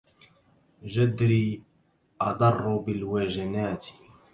جدري أضر بالوجنات